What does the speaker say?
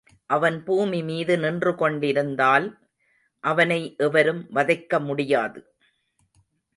அவன் பூமி மீது நின்றுகொண்டிருந்தால், அவனை எவரும் வதைக்க முடியாது.